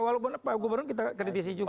walaupun pak gubernur kita kritisi juga